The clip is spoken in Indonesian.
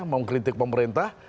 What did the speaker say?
mau kritik pemerintah